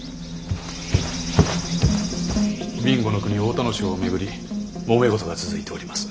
備後国太田荘を巡りもめ事が続いております。